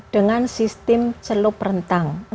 dengan sistem celup rentang